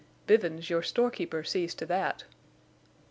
"Bivens, your store keeper, sees to that."